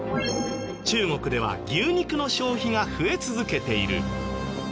中国では牛肉の消費が増え続けている。